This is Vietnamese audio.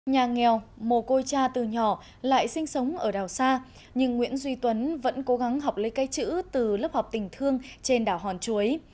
nhà nghèo mồ côi cha từ nhỏ lại sinh sống ở đảo xa nhưng nguyễn duy tuấn vẫn cố gắng học lấy cái chữ từ lớp học tình thương trên đảo hòn chuối